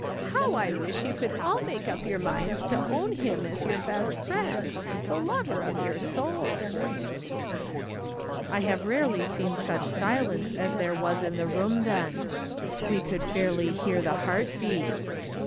How I wish you could all make up your minds to own him as your best friend, the lover of your souls." I have rarely seen such silence as there was in that room then. We could fairly hear the heart beats.